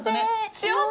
幸せ？